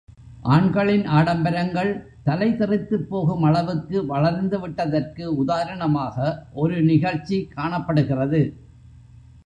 ஆண்களின் ஆடம்பரங்கள் தலை தெறித்துப்போகும் அளவுக்கு வளர்ந்துவிட்டதற்கு உதாரணமாக ஒரு நிகழ்ச்சிக் காணப்படுகிறது.